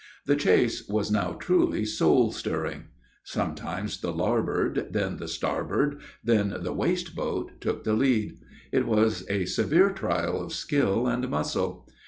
The chase was now truly soul stirring. Sometimes the larboard, then the starboard, then the waist boat took the lead. It was a severe trial of skill and muscle.